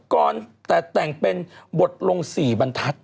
ก่อนแต่แต่งเป็นบทลง๔บรรทัศน์